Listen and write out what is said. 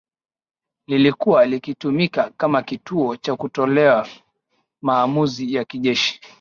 lilikuwa likitumika kama kituo cha kutolea maamuzi ya kijeshi